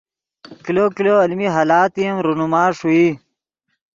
کلو کلو المین حالاتے ام رونما ݰوئی